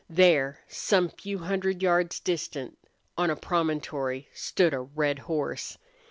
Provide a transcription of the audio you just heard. There, some few hundred yards distant, on a promontory, stood a red horse.